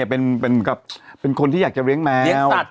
เป็นคนที่อยากจะเลี้ยงแมวกัด